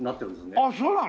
ああそうなの。